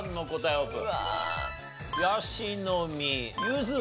オープン。